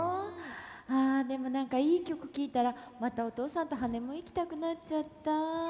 あでも何かいい曲聴いたらまたお父さんとハネムーン行きたくなっちゃった。